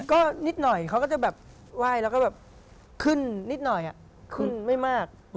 ก็นิดหน่อยเขาก็จะแบบไหว้แล้วก็แบบขึ้นนิดหน่อยขึ้นไม่มาก